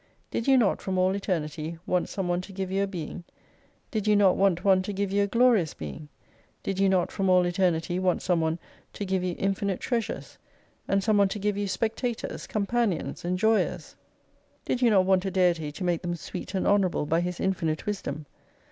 Did you not from all Eternity want some one to give you a Being ? Did you not want one to give you a Glorious Being ? Did you not from all Eternity want some one to give you infinite Treasures ? And some one to give you Spectators, Companions, Enjoyers ? Did you not want a Deity to make them sweet and honourable by His infinite Wisdom